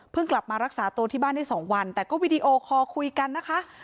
กลับมารักษาตัวที่บ้านได้๒วันแต่ก็วิดีโอคอลคุยกันนะคะ